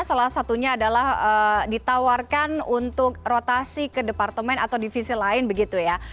salah satunya adalah ditawarkan untuk rotasi ke departemen atau divisi lain begitu ya